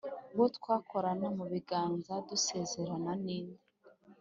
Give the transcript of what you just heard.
uwo twakorana mu biganza dusezerana ni nde’